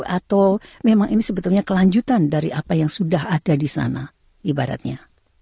atau memang ini sebetulnya kelanjutan dari apa yang sudah ada di sana ibaratnya